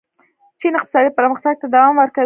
چین اقتصادي پرمختګ ته دوام ورکوي.